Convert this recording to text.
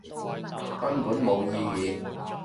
根本冇意義